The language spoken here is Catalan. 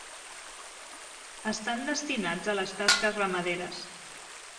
Estan destinats a les tasques ramaderes.